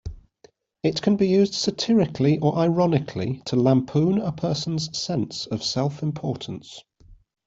It can be used satirically or ironically to lampoon a person's sense of self-importance.